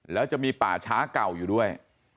แล้วจะมีป่าช้าเก่าอยู่ด้วย